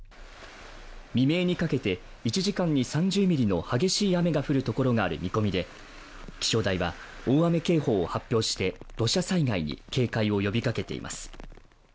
未明にかけて１時間に３０ミリの激しい雨が降る見込みで気象台は、大雨警報を発表して土砂災害に警戒を呼びかけています。